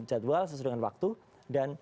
jadwal sesuai dengan waktu dan